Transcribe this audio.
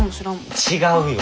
違うよ。